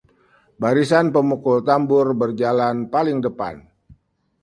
barisan pemukul tambur berjalan paling depan